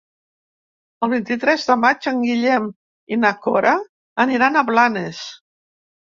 El vint-i-tres de maig en Guillem i na Cora aniran a Blanes.